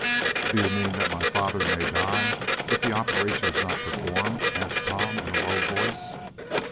"Do you mean that my father may die if the operation is not performed?" asked Tom, in a low voice.